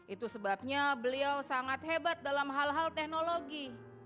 itu sebabnya beliau sangat hebat dalam hal hal teknologi